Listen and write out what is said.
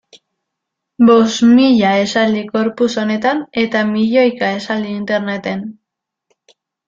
Bost mila esaldi corpus honetan eta milioika esaldi interneten.